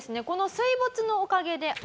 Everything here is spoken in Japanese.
この水没のおかげで。